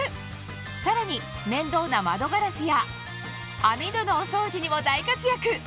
さらに面倒な窓ガラスや網戸のお掃除にも大活躍！